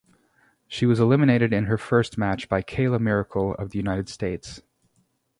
She was eliminated in her first match by Kayla Miracle of the United States.